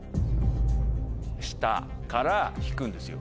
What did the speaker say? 「舌」から引くんですよ